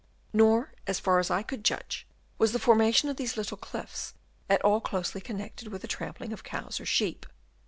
Nor, as far as I could judge, was the formation of these little cliffs at all closely connected with the trampling of cows or sheep.